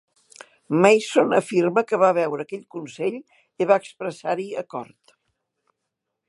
Mason afirma que va veure aquell consell i va expressar-hi acord.